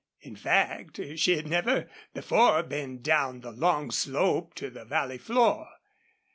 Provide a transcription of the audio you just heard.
In fact, she had never before been down the long slope to the valley floor.